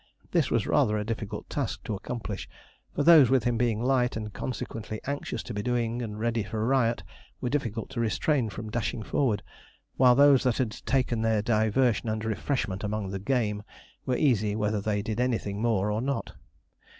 This was rather a difficult task to accomplish, for those with him being light, and consequently anxious to be doing and ready for riot, were difficult to restrain from dashing forward; while those that had taken their diversion and refreshment among the game, were easy whether they did anything more or not.